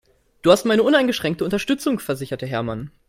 "Du hast meine uneingeschränkte Unterstützung", versicherte Hermann.